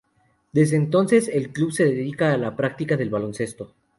Desde entonces el club se dedica a la práctica del baloncesto.